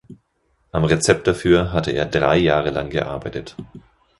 Am Rezept dafür hatte er drei Jahre lang gearbeitet.